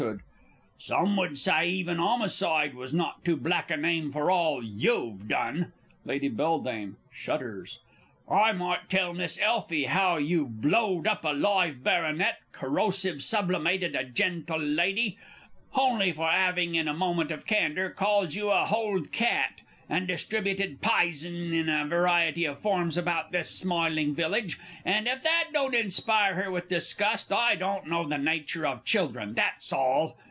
_ Some would say even 'omicide was not too black a name for all you've done. (Lady BELLEDAME shudders.) I might tell Miss Elfie how you've blowed up a live Baronet, corrosive sublimated a gentle Lady, honly for 'aving, in a moment of candour, called you a hold cat, and distributed pison in a variety of forms about this smiling village; and, if that don't inspire her with distrust, I don't know the nature of children, that's all!